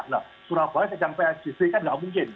nah surabaya sedang psbb kan nggak mungkin